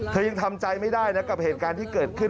ยังทำใจไม่ได้นะกับเหตุการณ์ที่เกิดขึ้น